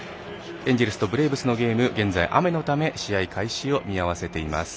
エンジェルスとブレーブスのゲーム雨のため、試合開始を見合わせています。